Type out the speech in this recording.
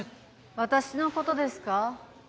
・私のことですか？